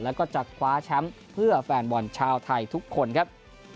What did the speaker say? แล้วก็จะคว้าแชมป์เพื่อแฟนบอลชาวไทยทุกคนครับ